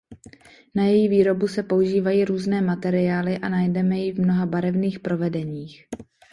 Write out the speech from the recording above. Na její výrobu se používají různé materiály a najdeme ji v mnoha barevných provedeních.